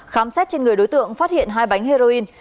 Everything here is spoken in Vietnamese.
khám xét trên người đối tượng phát hiện hai bánh heroin